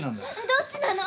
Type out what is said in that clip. どっちなの？